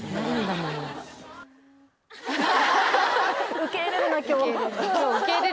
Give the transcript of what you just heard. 受け入れるな今日